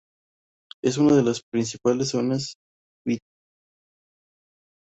Es una de las principales zonas vitivinícolas del departamento.